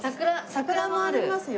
桜もありますよ。